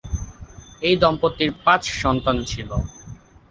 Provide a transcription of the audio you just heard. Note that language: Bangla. এই দম্পতির পাঁচ সন্তান ছিল।